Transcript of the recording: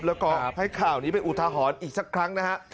แล้วก็ให้ข่าวนี้ไปอุทหรณ์อีกสักครั้งนะฮะ